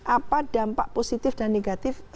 apa dampak positif dan negatif